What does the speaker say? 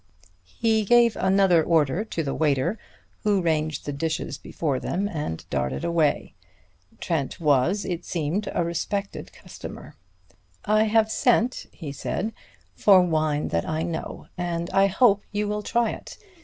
He gave another order to the waiter, who ranged the dishes before them and darted away. Trent was, it seemed, a respected customer. "I have sent," he said, "for wine that I know, and I hope you will try it.